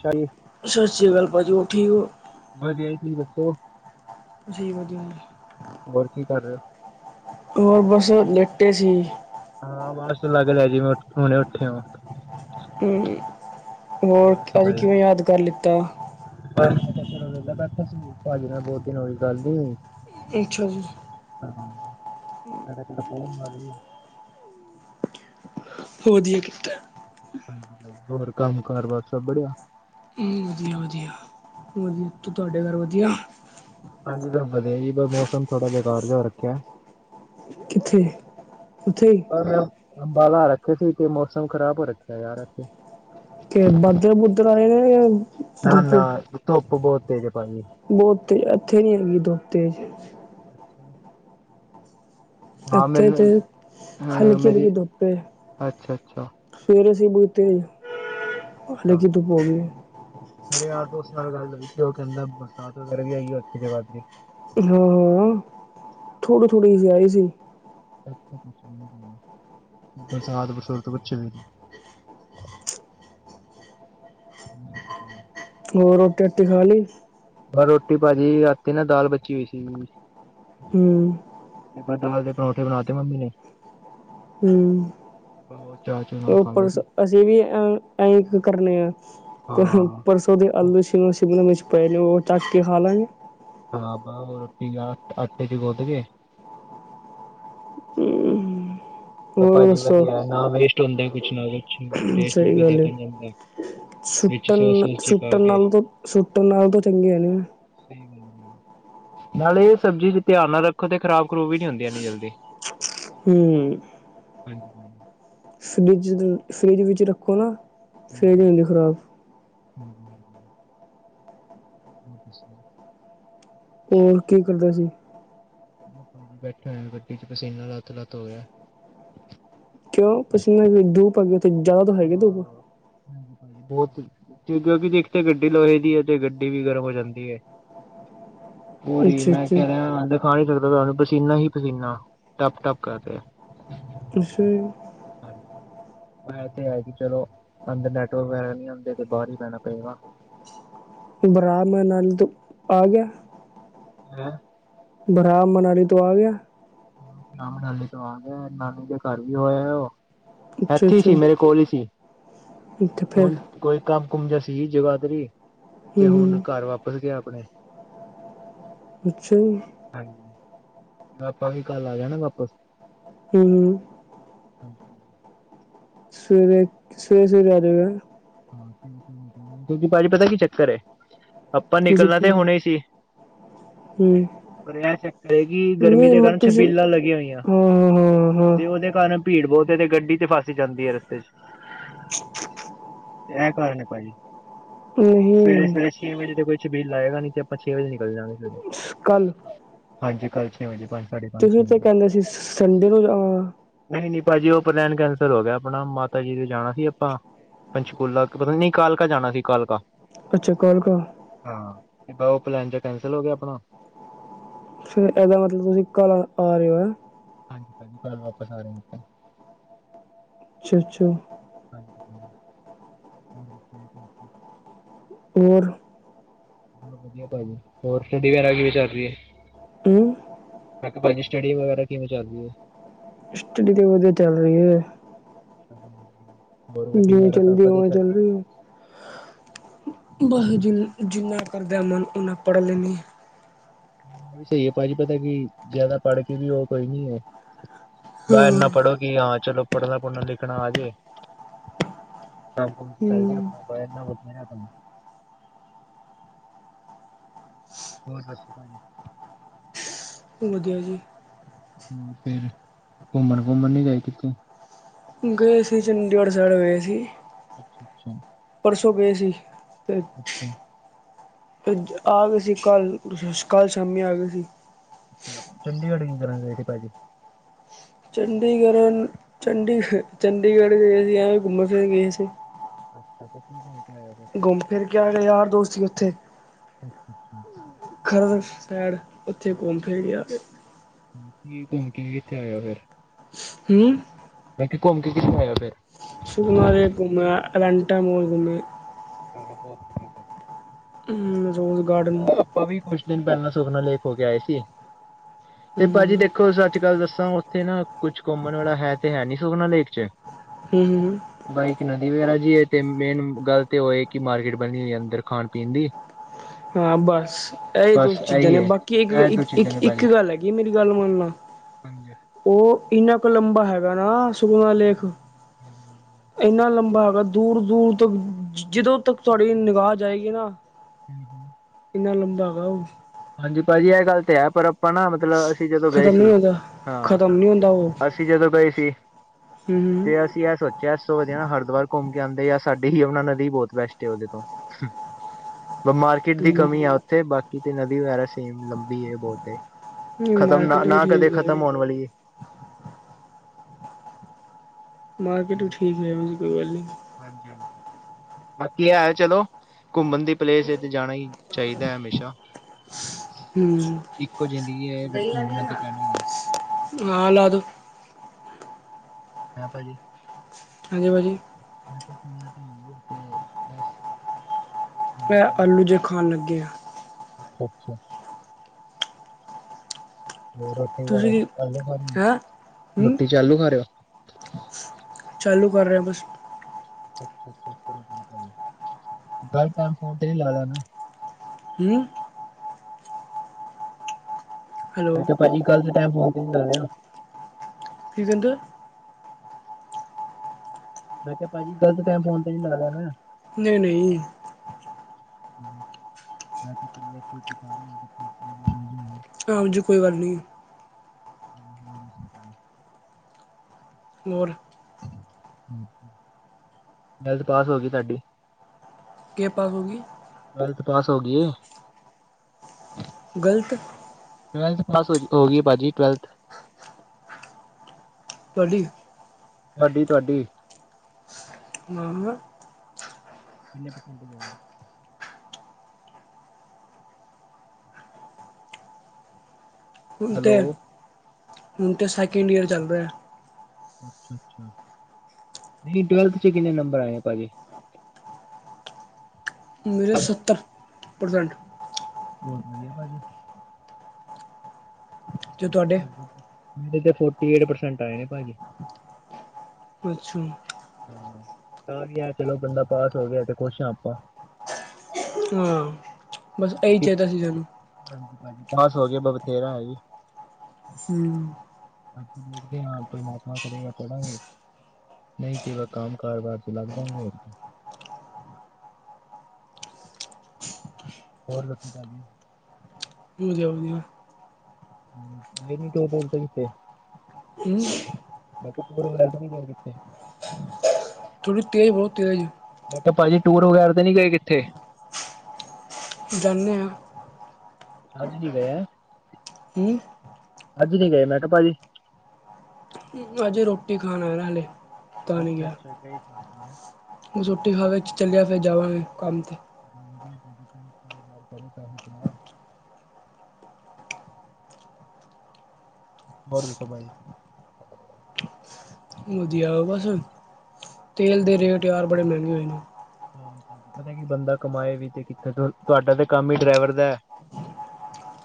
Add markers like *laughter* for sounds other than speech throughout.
ਸ਼ਾਹੀ ਸਤਿ ਸ਼੍ਰੀ ਅਕਾਲ, ਭਾਜੀ, ਹੋਰ ਠੀਕ ਹੋ? ਵਧੀਆ ਜੀ, ਤੁਸੀ ਦੱਸੋ? ਜੀ ਵਧੀਆ। ਹੋਰ, ਕੀ ਕਰ ਰਹੇ ਹੋ? ਹੋਰ, ਬਸ ਲੇਟੇ ਸੀ। ਹਾਂ ਬਸ ਲੱਗ ਰਿਆ ਜੀਂਵੇ ਹੁਣੇ, ਉੱਠਿਆਂ ਵਾ। ਅਂ, ਹੋਰ ਅੱਜ ਕਿਵੇਂ ਯਾਦ ਕਰ ਲਿੱਤਾ? ਅਜ ਮੈ ਵੇਲਾ ਬੈਠਾ ਸੀ, ਭਾਜੀ ਨਾਲ ਬਹੁਤ ਦਿਨ ਹੋਗੇ ਗੱਲ ਨਹੀਂ ਹੋਈ। ਅਛਾ ਜੀ। ਹਾਂ, ਐਦੇ ਕੋਲੋ ਲਕੋ ਮਾਰੀ ਹੋਰ ਦੀ ਕੀਤਾ ਹਾਂਜੀ-ਹਾਂਜੀ ਹੋਰ ਕੰਮ ਘਰ-ਬਾਰ ਸਭ ਬੜਿਆ ਵਧੀਆ-ਵਧੀਆ, ਵਧੀਆ ਤੂੰ ਤੁਹਾਡੇ ਘਰ ਵਧੀਆ ਹਾਂਜੀ, ਤਾਂ ਵਧੀਆ ਜੀ। ਪਰ ਮੌਸਮ ਥੋੜਾ ਬੇਕਾਰ ਜਿਹਾ ਰਹਿੰਦਾ ਹੈ। ਕਿੱਥੇ, ਉੱਥੇ ਅੰਬਾਲਾ ਰੱਸਤੇ ਸੀ, ਕੋਈ ਮੌਸਮ ਖ਼ਰਾਬ ਹੋ ਰੱਖਿਆ ਯਾਰ, ਇੱਥੇ ਕੇ ਬੱਦਲ-ਬੁੱਦਰ ਆਏ ਨੇ? ਯਾ ਨਾ-ਨਾ, ਧੁੱਪ ਬਹੁਤ ਤੇ, ਜੇ ਭਾਜੀ। ਬਹੁਤ ਤੇਜ, ਇੱਥੇ ਨੀ ਹੈਗੀ, ਧੁਪ ਤੇਜ਼। *inaudible* ਹਾਂ ਇੱਥੇ ਤੇ ਮੈਨੂੰ ਅ ਮੇਰੀ ਹਲਕੀ-ਹਲਕੀ ਧੁਪੇ। ਅੱਛਾ ਅੱਛਾ। ਸਵੇਰੇ ਸੀ ਬਹੁਤ ਤੇਜ, ਅੱਛਾ ਲੇਕੀ ਧੁੱਪ ਹੋ ਗਈ। ਮੇਰੇ ਯਾਰ ਦੋਸਤ ਨਾਲ ਗੱਲ ਹੋਈ ਸੀ, ਉਹ ਕਹਿੰਦਾ, ਬਰਸਾਤ ਵਗੈਰਾ ਵੀ ਆਈ ਆ, ਐਥੇ ਜਗਾਧਰੀ। ਹਾਂ, ਹਾਂ, ਹਾਂ, ਥੋੜੀ-ਥੋੜੀ ਸੀ ਆਈ ਸੀ। ਬਰਸਾਤ, ਬੁਰਸਤ ਬੱਚੇ ਵੀ ਹਮ *inaudible* ਹੋਰ ਰੋਟੀ ਰੋਟੀ ਖਾ ਲਈ ਰੋਟੀ ਭਾਜੀ ਰਾਤੀ ਨਾ ਦਾਲ ਬਚੀ ਹੋਈ ਸੀਗੀ ਹੂ,,, ਪਤਾਲ ਦੇ ਪਰੌਠੇ ਬਣਾ ਤੇ ਮੰਮੀ ਨੇ ਹੂ,,, ਹੋਰ ਚਾਹ ਚੂ ਨਾਲ ਉਹ ਖਾ ਲਏ ਪੁਲਿਸ ਸੀ। ਅਸੀਂ ਵੀ ਐ ਇ ਕਰਨੇ ਆ ਹਾਂ ਪੁਲਿਸ- ਸ ਉਹ ਅਲੂ ਸ਼ਿਮ ਸ਼ਿਮਲਾ ਮੀਰਚ ਪੈ ਜੋ ਤੱਕ ਕੇ ਖਾ ਲਾਂਗੇ ਹਾਂ ਬਾ ਰੋਟੀ ਖਾ ਅਟੇ ਬੋਤਲ ਹੋਰ ਭਾਜੀ, ਦੱਸੋ ਵਧੀਆ। ਨਾ ਵੇਸਟ ਹੁੰਦਾ, ਕੁਝ ਨਾ ਕੁਝ ਟੇਸਟ ਵੀ ਵਧੀਆ ਬੰਨ ਜਾਂਦਾ। ਵਿੱਚ ਸੋਸ ਸੂਸ ਜੀ ਪਾ ਸੁੱਟਣ-ਸੁੱਟਣ ਕੇ ਨਾਲ ਸੁੱਟਣ ਨਾਲੋ ਚੰਗੇ ਹੈਗੇ ਨੇ ਨਾਲੇ ਇਹ ਸਬਜ਼ੀ ਚ ਧਿਆਨ ਨਾਲ ਰੱਖੋ ਤੇ ਖਰਾਬ ਖਰੂਬ ਵੀ ਨੀ ਹੁੰਦੀਆਂ ਜਲਦੀ ਹੂ,,, ਹਾਂਜੀ ਫਰਿਜ ਫਰਿਜ ਵਿੱਚ ਰੱਖੋ ਨਾ ਫੇਰ ਨਹੀਂ ਹੁੰਦੀ ਖ਼ਰਾਬ *inaudible* *unintelligible* ਹੋਰ ਕੀ ਕਰਦੇ ਸੀ ਬੈਠੇ ਹੋ ਗੱਡੀ ਚ ਪਸੀਨਾ ਲੱਤ ਲੱਤ ਹੋ ਗਿਆ ਕਿਉਂ ਪਸੀਨਾ ਦੁਪ ਆ ਗ ਉੱਥੇ ਜ਼ਿਆਦਾ ਤਾਂ ਹੈਗੇ ਦੂੱਪ *inaudible* ਬਹੁਤ ਕਿ ਕਿਉਕਿ ਦੇਖ ਤੇ ਗੱਡੀ ਲੋਹੇ ਦੀ ਹੈ ਤੇ ਗੱਡੀ ਵੀ ਗਰਮ ਹੋ ਜਾਂਦੀ ਹੈ ਹੋਹੀ ਅੱਛਾ ਮੈਂ ਅੱਛਾ ਕਹਿ ਰਿਹਾ ਆਲਮ ਖਾ ਚੱਕਦਾ ਨਹੀਂ ਪਸੀਨਾ ਹੀ ਪਸੀਨਾ ਟੱਪ ਟੱਪ ਕਰਕੇ ਹੂ,,, ਮੈ ਤੇ ਹੈ ਕਿ ਚਲੋ ਅੰਦਰ ਨੈਟਵਰਕ ਵਗੈਰਾ ਨਹੀਂ ਆਉਂਦੇ ਤੇ ਬਾਹਰ ਹੀ ਪੈਣਾ ਪਏਗਾ ਬਰਾਮ ਮਨਾਲੀ ਤੋਂ ਆ ਗਿਆ ਹੈ ਬਰਾਮ ਮਨਾਲੀ ਤੋਂ ਆ ਗਿਆ ਨਾਮ ਲਾਲੀ ਤੋਂ ਆਦ ਨਾਨੀ ਦੇ ਘਰ ਵੀ ਹੋਇਆ ਉਹ ਅੱਛਾ ਇੱਥੇ ਅੱਛਾ ਸੀ ਮੇਰੇ ਕੋਲ ਹੀ ਸੀ ਤੇ ਫਿਰ ਹੁਣ ਹੂੰ ਕੋਈ ਕੰਮ ਕੁਮ ਜਾ ਸੀ ਜੀ ਜਗਾ ਤੇਰੀ ਤੇ ਹੁਣ ਹੂੰ ਘਰ ਵਾਪਸ ਗਿਆ ਆਪਣੇ ਅੱਛਾ ਜੀ ਹਾਂ ਆਪਾ ਵੀ ਕੱਲ ਆ ਜਾਣਾ ਵਾਪਸ ਹੂ ਹੂ,,, *unintelligible* ਸਵੇਰੇ ਸਵੇਰੇ ਸਵੇਰੇ ਆਜੋਗੇ ਭਾਜੀ ਪਤਾ ਕੀ ਚੱਕਰ ਹੈ ਆਪਾਂ ਨਿਕਲਣਾ ਤੇ ਹੁਣਾ ਹੀ ਸੀ ਹੂ,,, ਪਰ ਇਹ ਚੱਕਰ ਹੈ ਕਿ ਗਰਮੀ ਦੇ ਕਾਰਨ ਤੁਸੀਂ ਛਬੀਲਾਂ ਲੱਗੀਆਂ ਹੋਈਆਂ ਹਾਂ ਹਾਂ ਤੇ ਉਹਦੇ ਕਾਰਨ ਭੀੜ ਬਹੁਤ ਤੇ ਗੱਡੀ ਤੇ ਫਸੀ ਜਾਂਦੀ ਹੈ ਰਸਤੇ ਚ *inaudible* ਇਹ ਕਾਰਨ ਹੈ ਭਾਜੀ ਹਾਂ ਸਵੇਰੇ ਨਹੀਂ ਸਵੇਰੇ ਛੇ ਵਜੇ ਤੇ ਕੋਈ ਛਬੀਲ ਲਾਏਗਾ ਨੀ ਤੇ ਆਪ ਛੇ ਵਜੇ ਨਿਕਲ ਜਾਣਗੇ ਸਵੇਰੇ ਕੱਲ ਅੱਜ ਕੱਲ ਛੇ ਵਜੇ ਪੰਜ ਸਾਢੇ ਪੰਜ ਛੇ ਤੁਸੀਂ ਤੇ ਵਜੇ ਕਹਿੰਦੇ ਸੀ ਸੰਡੇ ਨੂੰ ਜਾਵਾਂਗਾ ਨਹੀਂ ਨਹੀਂ ਭਾਜੀ ਉਹ ਪਲੈਨ ਕੈਂਸਰ ਹੋ ਗਿਆ ਆਪਣਾ ਮਾਤਾ ਜੀ ਦੇ ਜਾਣਾ ਸੀ ਆਪਾਂ ਸਕੂਲਾ ਪਤਾ ਨਹੀਂ ਕਾਲਕਾ ਜਾਣਾ ਸੀ ਕਾਲਕਾ ਅੱਛਾ ਕਾਲਕਾ ਹਾਂ ਤੇ ਉਹ ਪਲੈਨ ਚ ਕੈਂਸਲ ਹੋ ਗਿਆ ਆਪਣਾ ਫਿਰ ਇਹਦਾ ਮਤਲਬ ਤੁਸੀਂ ਕੱਲ ਆ ਰਹੇ ਹੋ ਹੈ ਹਾਂਜੀ ਭਾਜੀ ਕੱਲ ਵਾਪਸ ਆ ਰਹੇ ਅੱਛਾ ਅੱਛਾ ਹਾਂਜੀ ਹੋਰ ਵਧੀਆ ਭਾਜੀ ਹੋਰ ਕਿਦੀ ਰੈਗਿੰਗ ਚੱਲ ਰਹੀ ਹੈ ਹੂੰ ਮੈਂ ਕਿਹਾ ਭਾਜੀ ਸਟੱਡੀ ਵਗੈਰਾ ਕਿਵੇਂ ਚੱਲ ਰਹੀ ਹੈ ਸਟਡੀ ਤੇ ਵਧੀਆ ਚੱਲ ਰਹੀ ਹੈ *unintelligible* ਗੱਡੀ ਜੀ ਵਗੈਰਾ ਸਭ ਚਲਦੀ ਵਧੀਆ ਹਵਾ ਚੱਲ ਰਹੀ ਹੈ ਬਸ ਜਿੰਨਾ ਕਰਦਿਆਂ ਮਨ ਓਨਾ ਪੜ ਲੈਂਦੀ ਸਹੀ ਹੈ ਭਾਜੀ ਪਤਾ ਕੀ ਜਿਆਦਾ ਪੜ ਕੇ ਵੀ ਉਹ ਕੋਈ ਨੀ ਹੈ ਬਾਹ ਇਨਾ ਹਾਂ ਪੜੋ ਕਿ ਹਾਂ ਚਲੋ ਪੜ੍ਹਨਾ ਪੜ੍ਹਨਾ ਲਿਖਣਾ ਆਜੇ ਕੰਮ ਕੁਮ ਤੇ ਚੱਲ ਰਿਹਾ ਹੂੰ ਆਪਣਾ ਬਾਹਰ ਇਨਾ ਵਧੀਆ ਆਪ ਨੂੰ ਹੋਰ ਦੱਸੋ ਭਾਜੀ ਵਧੀਆ ਵਧੀਆ ਹੋਰ ਫਿਰ ਘੁੰਮਣ ਘੁੰਮਣ ਨੀ ਗਏ ਕਿਥੇ ਗਏ ਸੀ ਚੰਡੀਗੜ੍ਹ ਸਾਈਡ ਗਏ ਸੀ ਅੱਛਾ ਅੱਛਾ ਪਰਸੋਂ ਗਏ ਸੀ ਤੇ ਅੱਛਾ ਆ ਗਏ ਸੀ ਕੱਲ ਕੱਲ ਸ਼ਾਮੀ ਆ ਗਏ ਸੀ ਚੰਡੀਗੜ੍ਹ ਇੰਦਰਾ ਗਏ ਭਾਜੀ ਚੰਡੀਗੜ੍ਹ ਚੰਡੀ ਚੰਡੀਗੜ੍ਹ ਗਏ ਸੀ ਐਵੇਂ ਘੁੰਮਣ ਫਿਰਨ ਗਏ ਸੀ ਅੱਛਾ ਅ ਕੀ ਪਹੁੰਚ ਆਇਆ ਫਿਰ ਗੁੰਮ ਫਿਰ ਕੇ ਗਿਆ ਯਾਰ ਦੋਸਤ ਸੀ ਉੱਥੇ ਅੱਛਾ ਅੱਛਾ ਹਰ ਸਾਈਡ ਉੱਥੇ ਘੁੰਮ ਫਿਰ ਗਿਆ ਤੇ ਕੀ ਘੁੰਮ ਕੇਵੇ ਕਿੱਥੇ ਆਇ ਹੋ ਹੂ,,, ਮੈਂ ਕਿਹਾ ਘੁੰਮ ਕਿੱਥੋਂ ਆਏ ਫਿਰ ਸ਼ਕਨਾ ਦੇ ਘੁੰਮਿਆ ਰੈਂਟ ਘੁੰਮੇ ਚਲੋ ਬਹੁਤ ਵਧੀਆ ਰੋਜ਼ ਗਾਰਡਨ ਭਾਬੀ ਵੀ ਕੁੱਛ ਦਿਨ ਪਹਿਲਾਂ ਸੁਖਨਾ ਲੇਖ ਹੋ ਕੇ ਆਏ ਸੀ ਤੇ ਹੂੰ ਭਾਜੀ ਹੂੰ ਦੇਖੋ ਸੱਚੀ ਗੱਲ ਦੱਸਾਂ ਉੱਥੇ ਨਾ ਕੁੱਛ ਘੁੰਮਣ ਵਾਲਾ ਹੈ ਤੇ ਹੈ ਨੀ ਸੁਖਨਾ ਲੇਕ ਚ ਹੂੰ-ਹੂੰ, ਬਾਈ ਇੱਕ ਨਦੀ ਵਗੈਰਾ ਜੀ ਹੈ, ਤੇ ਮੇਨ ਗੱਲ ਤੇ ਉਹ ਇਹ ਕਿ ਮਾਰਕੀਟ ਬਣੀ ਹੋਈ ਹੈ, ਅੰਦਰ ਖਾਣ ਪੀਣ ਦੀ। ਹਾਂ ਬਸ ਇਹ ਦੋ ਬਸ ਚੀਜ਼ਾਂ ਇਹੀ ਨੇ ਏ ਬਾਕੀ ਇਹ ਦੋ ਚੀਜ਼ਾਂ ਨੇ ਇੱਕ-ਇੱਕ ਭਾਜੀ। ਗੱਲ ਹੈਗੀ, ਮੇਰੀ ਗੱਲ ਮੰਨਾ। ਹਾਂਜੀ, ਉਹ ਇੰਨਾ ਕੁ ਲੰਬਾ ਹੈਗਾ ਨਾ ਸੁੂਨਾ ਲੇਖ ਇੰਨਾ ਲੰਬਾ ਹੈਗਾ ਦੂਰ ਦੂਰ ਤੱਕ ਜਦੋਂ ਤੱਕ ਤੁਹਾਡੀ ਨਿਗਾਹ ਆਏਗੀ ਨਾ *unintelligible* ਕਿੰਨਾ ਲੰਬਾ ਹੈ ਉਹ ਹਾਂਜੀ ਭਾਜੀ ਇਹ ਗੱਲ ਤੇ ਹੈ ਪਰ ਆਪਣਾ ਮਤਲਬ ਅਸੀਂ ਜਦੋਂ ਗਏ ਖਤਮ ਸੀ ਨਹੀਂ ਹੁੰਦਾ ਹਾਂ ਖਤਮ ਨਹੀਂ ਅਸੀਂ ਜਦੋਂ ਗਏ ਸੀ। ਹੂ,,, ਤੇ ਅਸੀਂ ਇਹ ਸੋਚਿਆ ਇਸ ਤੋਂ ਵਧੀਆ ਨਾ ਹਰਿਦੁਆਰ ਘੁੰਮ ਕੇ ਆਉਂਦੇ ਆ ਸਾਡੀ ਯਮੁਨਾ ਨਦੀ ਹੀ ਬਹੁਤ ਬੈਸਟ ਏ ਉਹਦੇ ਤੋਂ। ਮਾਰਕੀਟ ਦੀ ਹੂੰ ਕਮੀ ਆ ਉੱਥੇ ਬਾਕੀ ਤੇ ਨਦੀ ਵਗੈਰਾ ਸੇਮ ਲੰਬੀ ਬਹੁਤ ਤੇ ਨਹੀਂ ਖਤਮ ਨਾ ਮਾਰਕੀਟ ਵੀ ਨਾ ਕਦੇ ਠੀਕ ਹੈ ਖ਼ਤਮ ਹੋਣ ਵਾਲੀ ਏ। ਮਾਰਕੀਟ ਵੀ ਠੀਕ ਰਹੇ ਹੋਏਗੀ ਕੋਈ ਗੱਲ ਨਹੀਂ। ਹਾਂਜੀ-ਹਾਂਜੀ ਬਾਕੀ ਹੈ, ਚਲੋ ਘੁੰਮਣ ਦੀ ਪਲੇਸ ਏ ਤੇ ਜਾਣਾ ਹੀ ਚਾਹੀਦਾ ਹੈ ਹਮੇਸ਼ਾ ਹੂੰ ਇੱਕੋ ਜ਼ਿੰਦਗੀ ਹੈ, ਫਿਰ ਘੁਮਣਾ ਤੇ ਪਹਿਣਾ ਏ। ਆ ਲਾਦੋ, ਹੈਂ ਭਾਜੀ। ਹਾਂਜੀ ਭਾਜੀ, ਬਾਕੀ ਤ ਬੱਸ *inaudible* ਮੈਂ ਆਲੂ ਜੇਹੇ ਖਾਣ ਲੱਗੇ ਹਾਂ। ਅੱਛਾ-ਅੱਛਾ। ਰੋਟੀ ਤੁਸੀਂ ਵਗੈਰਾ ਕੀ ਆਲੂ ਖਾ ਹੈਂ ਹੂੰ ਰੋਟੀ ਚ ਆਲੂ ਖਾ ਰਿਓ। ਚਾਲੂ ਕਰ ਰਿਹਾ ਬਸ, ਅੱਛਾ ਗੱਲ ਟੈਮ ਫੋਨ *unintelligible* ਹੂੰ, ਮੈ ਹੈਲੋ ਕਿਹਾ ਭਾਜੀ ਗੱਲ ਦੇ ਟਾਈਮ *unintelligible* ਆ ਕੀ *unintelligible* ਮੈਂ ਕਿਹਾ ਭਾਜੀ ਗਲਤ ਟੈਮ ਫੋਨ ਤੇ ਨੀ ਲਾ ਲਿਆ ਮੈ? ਨਹੀਂ-ਨਹੀਂ, ਮੈਂ ਕਿਹਾ *inaudible* ਹਾਂਜੀ ਕੋਈ ਗੱਲ ਨਹੀਂ, *unintelligible* ਹੋਰ, ਟੈਥ ਪਾਸ ਹੋ ਗਈ ਤੁਹਾਡੀ। ਕੇ ਪਾਸ ਹੋ ਗਈ? ਟਵੈਲਥ ਪਾਸ ਹੋ ਗਈ ਏ। ਗਲਤ ਟਵੈਲਥ ਪਾਸ ਹੋ ਗਈ ਭਾਜੀ ਟਵੈਲਥ। ਤੁਹਾਡੀ, ਤੁਹਾਡੀ-ਤੁਹਾਡੀ, ਨਾ, *inaudible* ਹੁਣ ਹੈਲੋ ਤਾਂ ਹੁਣ ਤੇ ਸੈਕਿੰਡ ਈਅਰ ਚੱਲ ਰਿਹਾ। ਅੱਛ-ਅੱਛਾ ਨਹੀਂ ਟਵੈਲਥ ਚ ਕਿੰਨੇ ਨੰਬਰ ਆਏ ਭਾਜੀ? ਮੇਰੇ ਸੱਤਰ ਪ੍ਰਸੈਂਟ। ਬਹੁਤ ਵਧੀਆ ਭਾਜੀ। ਤੇ ਤੁਹਾਡੇ ਮੇਰੇ ਤੇ ਫੋਰਟੀ-ਏਟ ਪਰਸੈਂਟ ਆਏ ਨੇ ਭਾਜੀ। ਅੱਛਾ, ਤਾਂ ਵੀ ਐ, ਚਲੋ ਬੰਦਾ ਪਾਸ ਹੋ ਗਿਆ, ਤੇ ਖੁਸ਼ ਆਂ ਆਪਾਂ। ਹੁਣ, ਬਸ ਇਹੀ ਚਾਹੀਦਾ ਸੀ ਸਾਨੂੰ। ਹਾਂਜੀ ਭਾਜੀ, ਪਾਸ ਹੋ ਗਏ ਬ ਬਥੇਰਾ ਹੈ ਜੀ। ਹੁੰ ਦੇਖਦੇ ਹਾਂ ਪਰਮਾਤਮਾ ਕਰੇਗਾ ਪੜਾਂਗੇ। ਨਹੀਂ ਤੇ ਵ ਕੰਮ ਕਾਰਬਾਰ ਚ ਲੱਗ ਜਾਏਗੇ। ਹੋਰ ਦਸੋ ਭਾਅ ਜੀ, *unintelligible* ਨਹੀਂ *unintelligible* *unintelligible* ਮੈਂ ਕਿਹਾ *unintelligible* ਥੋੜੀ ਤੇਜ਼ ਬਹੁਤ ਤੇਜ਼ ਹੈ। ਮੈਂ ਕਿਹਾਾ ਭਾਜੀ ਟੂਰ ਵਗੈਰਾ ਨੀ ਗਏ ਕਿੱਥੇ। ਜਾਂਦੇ ਹਾਂ, ਅੱਜ ਵੀ ਗਯਾ ਐ। ਕੀੂੰ ਅੱਜ ਨਹੀਂ ਗਏ, ਮੈਂ ਕਿਹਾ ਭਾਜੀ। ਅੱਜੇ ਰੋਟੀ ਖਾਣਾ ਆਯਾ, ਹਾਲੇ। ਅੱਛਾ ਅੱਛਾ ਗਈ ਸੀ। ਰੋਟੀ ਖਾਵੇ, ਚੱਲਿਆ ਫਿਰ ਜਾਵਾਂਗੇ ਕੰਮ ਤੇ। ਕਰ ਹੈ *unintelligible* ਹੋਰ ਦੱਸੋ ਭਾਜੀ। ਵਧੀਆ ਬਸ, ਤੇਲ ਦੇ ਰੇਟ ਯਾਰ ਬੜੇ ਮਹਿੰਗੇ ਹੋਏ ਨੇ। ਆਹੋ ਭਾਜੀ, ਪਤਾ ਕੀ ਬੰਦਾ ਕਮਾਏ ਵੀ ਤੇ ਕਿੱਤਨਾ, ਤੁਹਾਡਾ ਤੇ ਕੰਮ ਹੀ ਡਰਾਈਵਰ ਦਾ ਹੈ।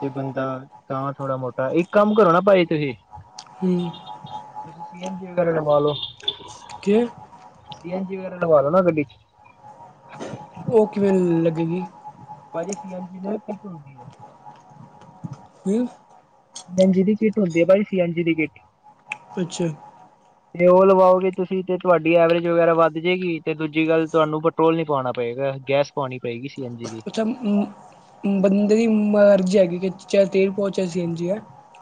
ਤੇ ਬੰਦਾ, ਤਾਂ ਥੋੜਾ ਮੋਟਾ, ਇੱਕ ਕੰਮ ਕਰੋ ਨਾ ਭਾਜੀ ਤੁਸੀਂ। ਹੁੰ ਤੁਸੀਂ ਸੀ-ਐਨ-ਜੀ ਵਗੈਰਾ ਲਵਾ ਲਓ। ਕਿ ਸੀ ਐਨ ਜੀ ਵਗੈਰਾ, ਲਵਾ ਲੋ ਨਾ ਗੱਡੀ ਚ। ਉਹ ਕਿਵੇਂ ਲੱਗੇਗੀ। ਭਾਜੀ ਸੀ ਐਨ ਜੀ, ਦੀ ਕੀਟ ਹੁੰਦੀ ਹੈ। ਹਮ *unintelligible* ਸੀ ਐਨ ਜੀ ਦੀ ਕਿੱਟ ਹੁੰਦੀ ਹੈ, ਭਾਈ ਸੀ ਐੰਨ ਜੀ ਦੀ ਕਿੱਟ ਅੱਛਾ *unintelligible* ਤੇ ਉਹ ਲਵਾਓਗੇ ਤੁਸੀਂ ਤੇ ਤੁਹਾਡੀ ਐਵਰੇਜ ਵਗੈਰਾ ਵੱਧ ਜਾਵੇਗੀ, ਤੇ ਦੂਜੀ ਗੱਲ ਤੁਹਾਨੂੰ ਪੈਟਰੋਲ ਨੀ ਪਵਾਉਣਾ ਪਏਗਾ, ਗੈਸ ਪਾਉਣੀ ਪਏਗੀ ਸੀ ਐਨ ਜੀ। ਦੀ। ਉੱਥੇ ਬੰਦੇ ਦੀ ਮਰਜ਼ੀ ਹੈਗੀ, ਕਿ ਚਾਹ ਤੇਲ ਪਵਾਏ ਚਾਹੇ ਸੀ ਐਨ ਜੀ ਹੈ।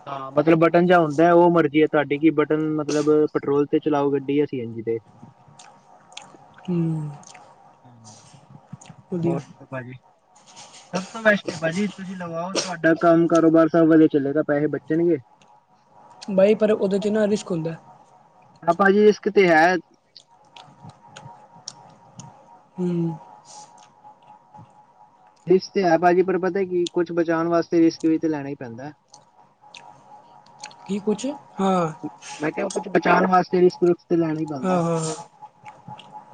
ਹਾਂ ਮਤਲਬ ਬਟਨ ਜੇਹਾ ਹੁੰਦਾ, ਉਹ ਮਰਜ਼ੀ ਹੈ ਤੁਹਾਡੀ, ਕਿ ਬਟਨ ਮਤਲਬ ਪੈਟਰੋਲ ਤੇ ਚਲਾਓ ਗੱਡੀ, ਯਾ ਸੀ ਐਨ ਜੀ ਤੇ। ਹੂ ਹਮ *unintelligible* ਵਧੀਆ ਭਾਜੀ ਸਭ ਤੋਂ ਬੈਸਟ ਐ, ਭਾਜੀ ਤੁਸੀਂ ਲਗਾਓ, ਤੁਹਾਡਾ ਕੰਮ ਕਾਰੋਬਾਰ ਸਭ ਵਧੀਆ ਚਲੇਗਾ, ਪੈਸੇ ਬਚਣਗੇ। *unintelligible* ਬਾਈ ਪਰ ਉਹਦੇ ਚ ਨਾ ਰਿਸਕ ਹੁੰਦਾ। ਪਾਪਾ ਜੀ, ਰੀਸਕ ਤੇ ਹੈ। ਹੂ ਰਿਸਕ ਤੇ ਹੈ ਭਾਜੀ, ਪਰ ਪਤਾ ਹੈ ਕਿ, ਕੁਛ ਬਚਾਉਣ ਵਾਸਤੇ ਰਿਸਕ ਵੀ ਤੇ ਲੈਣਾ ਹੀ ਪੈਂਦਾ। *inaudible* ਕੀ ਕੁਛ? ਮੈਂ ਕਿਆ ਕੁਛ ਬਚਾਣ ਵਾਸਤੇ *unintelligible* ਤੇ ਲੈਣਾ ਈ ਪੈਂਦਾ ਹਾਂ ਹਾਂ ਹਾਂ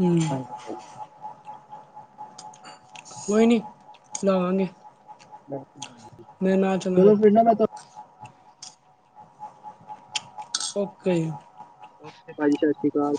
ਹੂੰ ਹਾਂ ਕੋਈ ਨਈ ਲਾਵਾਂਗੇ। ਮੈਂ ਨਾ ਚਲਾ ਚਲੋ ਫਿਰ ਨਾ ਮੈ ਤੁ ਔ ਕੇ ਬਤ ਤੇ, ਭਾਜੀ ਸਤਿ ਸ਼੍ਰੀ ਅਕਾਲ।